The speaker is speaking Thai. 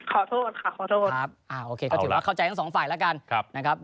ขอโทษค่ะขอโทษครับอ่าโอเคก็ถือว่าเข้าใจทั้งสองฝ่ายแล้วกันนะครับ